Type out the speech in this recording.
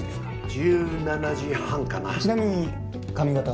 １７時半かなちなみに髪形は？